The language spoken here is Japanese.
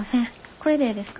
これでええですか？